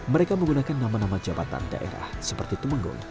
mereka menggunakan nama nama jabatan daerah seperti tumenggung